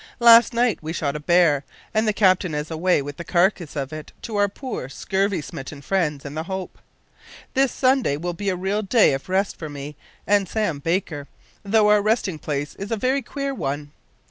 Last night we shot a bear, and the captain is away with the carcass of it to our poor scurvy smitten friends in the Hope. This Sunday will be a real day of rest for me and Sam Baker, though our resting place is a very queer one.